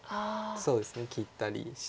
そうですね切ったりして。